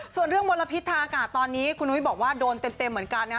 ส่วนเรื่องมลพิษทางอากาศตอนนี้คุณนุ้ยบอกว่าโดนเต็มเหมือนกันนะ